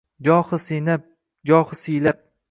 Gohi sinab, gohi siylab